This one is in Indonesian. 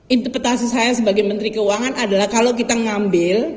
interpretasi saya sebagai menteri keuangan adalah kalau kita ngambil